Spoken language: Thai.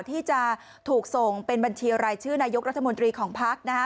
ที่จะถูกส่งเป็นบัญชีรายชื่อนายกรัฐมนตรีของพักนะฮะ